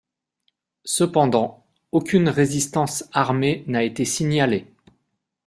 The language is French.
Cependant, aucune résistance armée n'a été signalée.